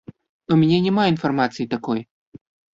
У мяне няма інфармацыі такой.